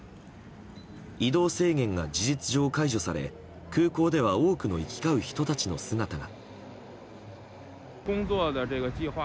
移動制限が事実上解除され空港では多くの行き交う人たちの姿が。